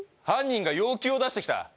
犯人が要求を出してきた？